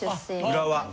浦和。